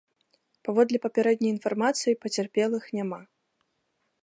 Паводле папярэдняй інфармацыі, пацярпелых няма.